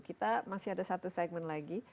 kita masih ada satu segmen lagi